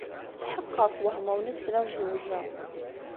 Tḥeqqeɣ twehmeḍ mi tesliḍ zewjeɣ.